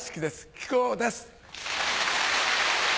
木久扇です。